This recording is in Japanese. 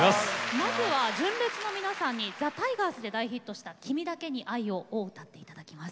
まずは純烈の皆さんにザ・タイガースで大ヒットした「君だけに愛を」を歌っていただきます。